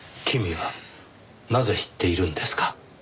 君はなぜ知っているんですか？